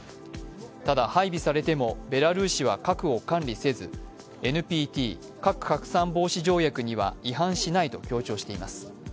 ただ、配備されてもベラルーシは核を管理せずＮＰＴ＝核拡散防止条約には違反しないと強調しています。